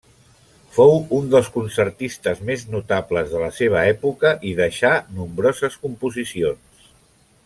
Fou un dels concertistes més notables de la seva època, i deixà nombroses composicions.